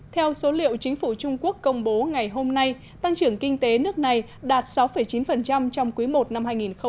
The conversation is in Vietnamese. theo số liệu chính phủ trung quốc công bố ngày hôm nay tăng trưởng kinh tế nước này đạt sáu chín trong quý i năm hai nghìn hai mươi